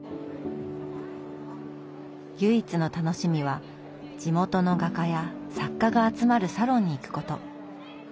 唯一の楽しみは地元の画家や作家が集まるサロンに行くこと。